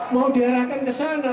mau diarahkan ke sana